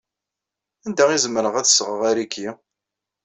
Anda ay zemreɣ ad sɣeɣ ariki?